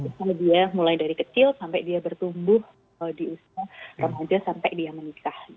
misalnya dia mulai dari kecil sampai dia bertumbuh di usia remaja sampai dia menikah